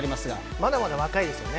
まだまだ若いですね。